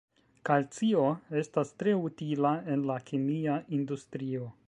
Kalcio estas tre utila en la kemia industrio.